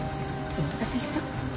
お待たせした？